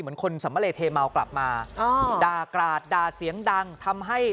เหมือนคนสำเลเทเมากลับมาด่ากราดด่าเสียงดังทำให้